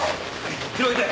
広げて。